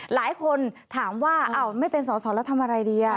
หลายคนถามว่าอ้าวไม่เป็นสอสอแล้วทำอะไรดี